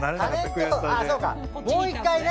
もう１回ね。